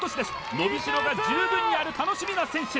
伸びしろが十分にある楽しみな選手